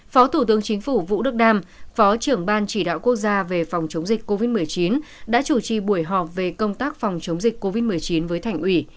phó thủ tướng chính phủ vũ đức đam phó trưởng ban chỉ đạo quốc gia về phòng chống dịch covid một mươi chín đã chủ trì buổi họp về công tác phòng chống dịch covid một mươi chín với thành ủy